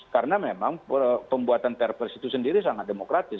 karena memang pembuatan terpers itu sendiri sangat demokratis